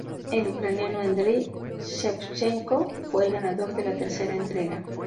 El ucraniano Andriy Shevchenko fue el ganador de la tercera entrega.